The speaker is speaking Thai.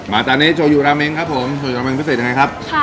มาด้วยโชยูามี้ครับผมพิเศษเลยค่ะ